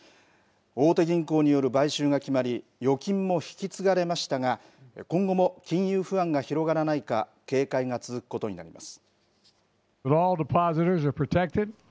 大手銀行による買収が決まり、預金も引き継がれましたが、今後も金融不安が広がらないか、警戒が続くことになります。